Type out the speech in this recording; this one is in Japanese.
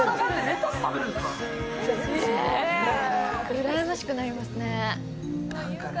うらやましくなりますね。